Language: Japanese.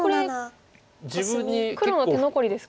これ黒の手残りですか。